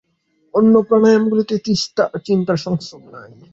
অন্য প্রাণায়ামগুলিতে চিন্তার সংস্রব নাই।